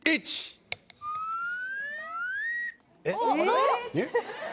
えっ？